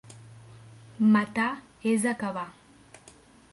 Matar és acabar.